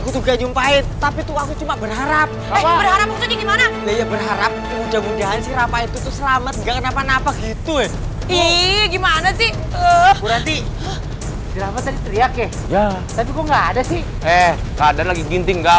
sampai jumpa di video selanjutnya